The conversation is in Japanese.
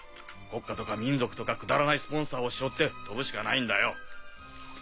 国家とか民族とかくだらないスポンサーをしょって飛ぶしかないんだよ。